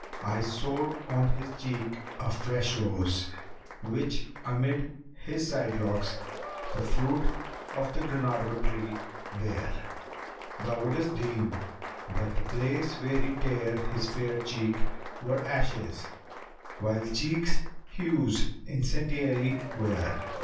I sowed on his cheek a fresh rose, which amid * His side locks the fruit of granado tree bare. Thou wouldst deem that the place where he tare his fair cheek[FN#278] * Were ashes, while cheeks hues incendiary wear.